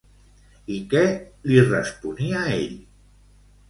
I què li responia ell?